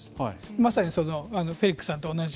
まさにフェリックスさんと同じ。